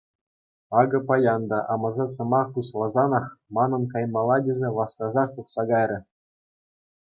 Акӑ паян та амӑшӗ сӑмах пуҫласанах манӑн каймалла тесе васкасах тухса кайрӗ.